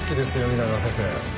皆川先生。